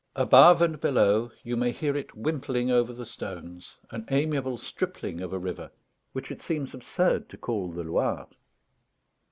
Above and below, you may hear it wimpling over the stones, an amiable stripling of a river, which it seems absurd to call the Loire.